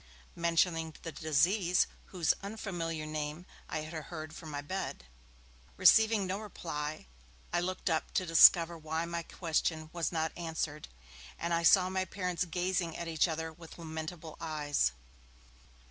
mentioning the disease whose unfamiliar name I had heard from my bed. Receiving no reply, I looked up to discover why my question was not answered, and I saw my parents gazing at each other with lamentable eyes.